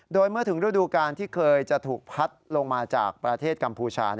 โดยเมื่อถึงฤดูการที่เคยจะถูกพัดลงมาจากประเทศกัมพูชา